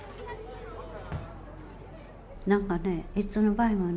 何かねえいつの場合もね